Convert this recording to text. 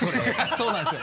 そうなんですよ。